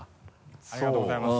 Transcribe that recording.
ありがとうございます。